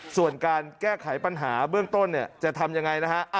ส่วนการแก้ไขปัญหาเบื้องต้นเนี่ยจะทำยังไงนะฮะ